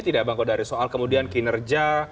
tidak bangko dari soal kemudian kinerja